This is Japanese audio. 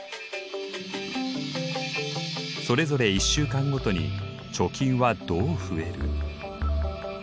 それぞれ１週間ごとに貯金はどう増える？